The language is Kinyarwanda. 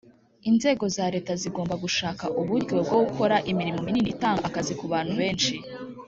inzego za leta zigomba gushaka uburyo bwo gukora imirimo minini itanga akazi ku bantu benshi